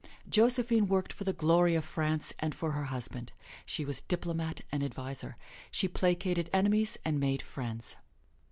Josephine worked for the glory of France and for her husband: she was diplomat and adviser. She placated enemies and made friends.